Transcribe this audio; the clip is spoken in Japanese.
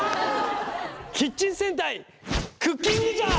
キッチン戦隊クッキングジャー！